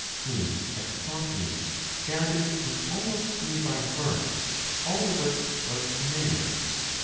He had copied, gathered, and almost knew by heart all the works of Numenius.